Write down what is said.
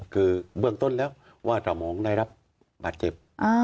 คือเบื้องต้นแล้วว่าตระมองได้รับบาดเจ็บ